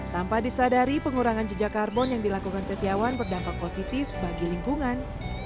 tanpa disadari pengurangan jejak karbon yang dilakukan setiawan berdampak positif bagi lingkungan